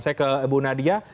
saya ke bu nadia